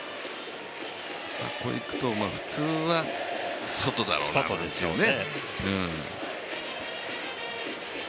これいくと普通は外だろうなってね。